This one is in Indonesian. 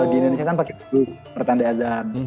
di indonesia kan pakai produk pertanda azan